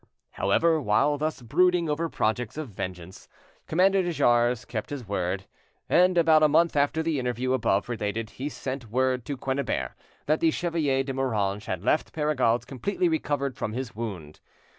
However, while thus brooding over projects of vengeance, Commander de Jars kept his word, and about a month after the interview above related he sent word to Quennebert that the Chevalier de Moranges had left Perregaud's completely recovered from his wound.